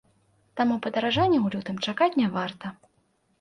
Таму падаражання ў лютым чакаць не варта.